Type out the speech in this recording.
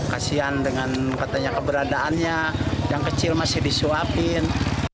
kasian dengan katanya keberadaannya yang kecil masih disuapin